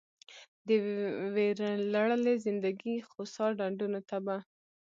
د ویرلړلې زندګي خوسا ډنډونو ته به